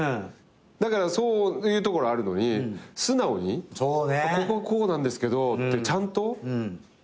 だからそういうところあるのに素直に「こここうなんですけど」ってちゃんと聞けるっていうか。